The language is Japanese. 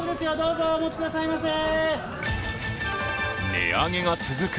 値上げが続く